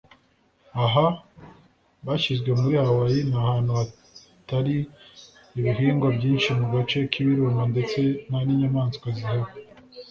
Aha bashyizwe muri Hawaii ni ahantu hatari ibihingwa byinshi mu gace k’ibirunga ndetse nta n’inyamaswa zihaba